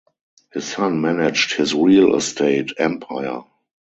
His son managed his real estate empire.